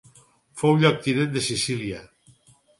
Fou lloctinent de Sicília.